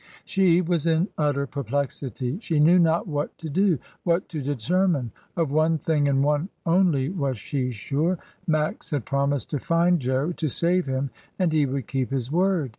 She was in utter perplexity; she knew not what to do — what to determine; of one thing and one only was she sure, Max had promised to find Jo, to save him, and he would keep his word.